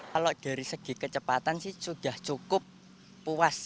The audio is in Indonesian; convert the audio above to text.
kalau dari segi kecepatan sih sudah cukup puas